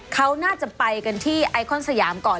เขาน่าจะไปกันที่ไอคอนสยามก่อน